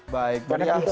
baik beri as